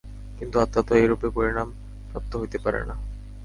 কিন্তু আত্মা তো এইরূপে পরিণাম-প্রাপ্ত হইতে পারে না।